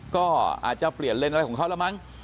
ก็อาจจะเปลี่ยนเลนส์อะไรของเขาแล้วมั้ง